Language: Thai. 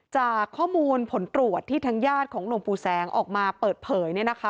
จากข้อมูลผลตรวจที่ทางญาติของหลวงปู่แสงออกมาเปิดเผย